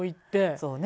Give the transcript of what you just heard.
そうね。